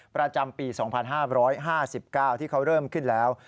ประจำปี๒๕๕๙ที่เขาเริ่มขึ้นแล้ว